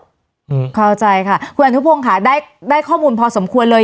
อืมเข้าใจค่ะคุณอนุพงศ์ค่ะได้ได้ข้อมูลพอสมควรเลย